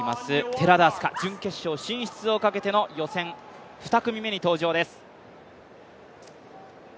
寺田明日香準決勝進出をかけての予選２組目に登場です。